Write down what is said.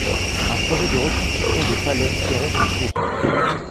Un projet de reconstruction du palais serait en cours.